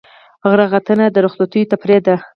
غره ختنه د رخصتیو تفریح ده.